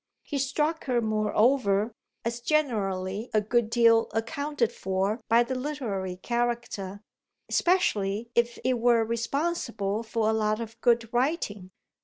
He struck her moreover, as generally a good deal accounted for by the literary character, especially if it were responsible for a lot of good writing.